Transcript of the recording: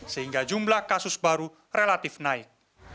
sehingga jumlah kasus baru relatif naik